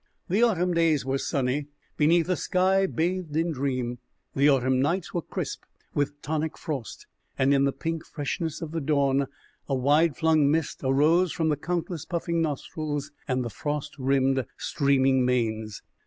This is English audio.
The autumn days were sunny, beneath a sky bathed in dream. The autumn nights were crisp with tonic frost, and in the pink freshness of the dawn a wide flung mist arose from the countless puffing nostrils and the frost rimed, streaming manes.